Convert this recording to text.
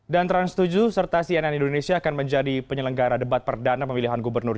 dan terang setuju serta cnn indonesia akan menjadi penyelenggara debat perdana pemilihan gubernur